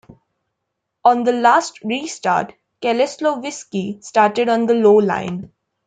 On the last restart, Keselowski started on the low line.